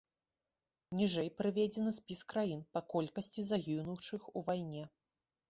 Ніжэй прыведзены спіс краін па колькасці загінуўшых у вайне.